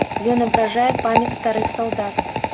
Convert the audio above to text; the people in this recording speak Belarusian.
Ён абражае памяць старых салдат.